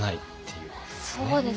そうですね。